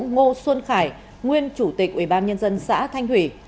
ngô xuân khải nguyên chủ tịch ủy ban nhân dân xã thanh thủy